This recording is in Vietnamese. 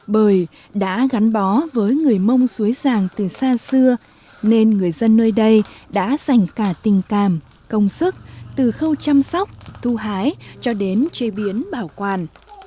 bởi đã gắn bó với người mông suối ràng từ xa xưa nên người dân nơi đây đã dành cả tình cảm công sức từ khâu chăm sóc thu hái cho đến chế biến bảo quản